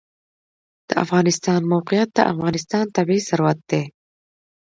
د افغانستان د موقعیت د افغانستان طبعي ثروت دی.